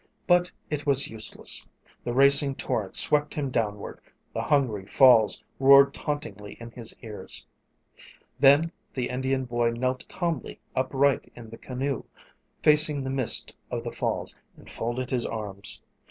But it was useless. The racing torrent swept him downward; the hungry falls roared tauntingly in his ears. Then the Indian boy knelt calmly upright in the canoe, facing the mist of the falls, and folded his arms.